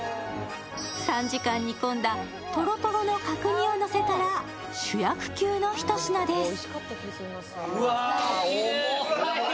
３時間煮込んだとろとろの角煮をのせたら主役級のひと品です。